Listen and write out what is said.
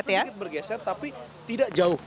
sedikit bergeser tapi tidak jauh